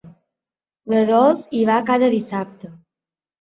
La Dols hi va cada dissabte.